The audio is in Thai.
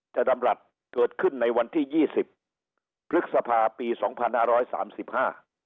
ธรรมรัฐเกิดขึ้นในวันที่ยี่สิบพฤษภาปีสองพันห้าร้อยสามสิบห้า